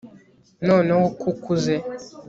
noneho ko ukuze